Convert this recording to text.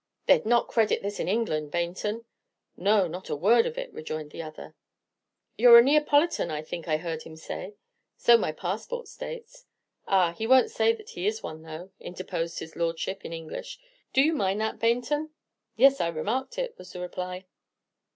"They 'd not credit this in England, Baynton!" "No, not a word of it!" rejoined the other. "You 're a Neapolitan, I think I heard him say." "So my passport states." "Ah, he won't say that he is one, though," interposed his Lordship, in English. "Do you mind that, Baynton?" "Yes, I remarked it," was the reply.